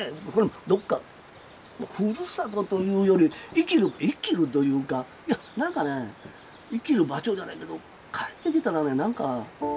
どっかふるさとというより生きる生きるというかなんかね生きる場所じゃないけど帰ってきたらねなんか。